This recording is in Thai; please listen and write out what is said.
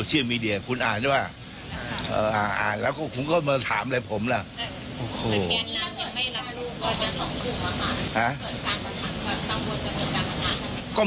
เบื่อมันไม่ได้เดินทั้งคู่กันมันจะมาตรภาค่ะ